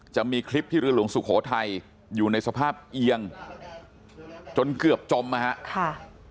จะมีคลิปที่เรือหลวงสุโขทัยอยู่ในสภาพเอียงจนเกือบจมนะฮะค่ะ